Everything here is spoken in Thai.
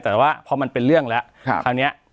แต่ว่าพอมันเป็นเรื่องแล้วคราวนี้